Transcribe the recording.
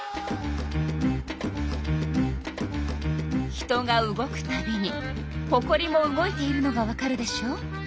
人が動くたびにほこりも動いているのがわかるでしょ？